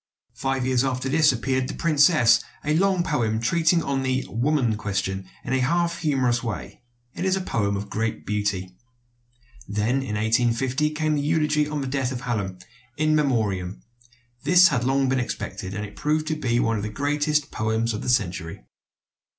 Five years after this appeared "The Princess," a long poem treating of the "woman question" in a half humorous way. It is a poem of great beauty. Then in 1850 came the elegy on the death of Hallam, "In Memoriam." This had been long expected, and it proved to be one of the greatest poems of the century.